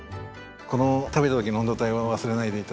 この食べた時の温度感を忘れないで頂いて。